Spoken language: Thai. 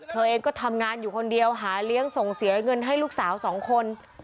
เธอเองก็ทำงานอยู่คนเดียวหาเลี้ยงส่งเสียเงินให้ลูกสาวสองคน